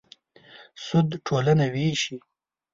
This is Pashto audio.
سود ټولنه وېشي.